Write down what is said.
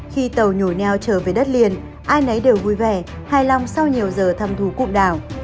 khi tàu nhồi neo trở về đất liền ai nấy đều vui vẻ hài lòng sau nhiều giờ thăm thú cụm đảo